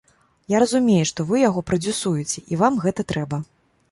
Я разумею, што вы яго прадзюсуеце і вам гэта трэба.